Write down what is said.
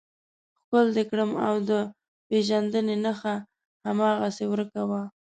ښکل دې کړم او د پېژندنې نښه هماغسې ورکه وه.